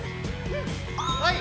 はい！